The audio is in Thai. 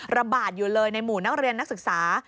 ระบาดอยู่เลยในหมู่นักเรียนนักศึกษา